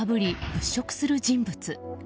物色する人物。